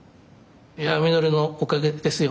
いや海鳥のおかげですよ。